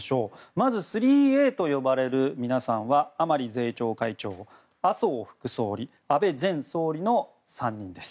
まず、３Ａと呼ばれる皆さんは甘利税調会長麻生副総理、安倍前総理の３人です。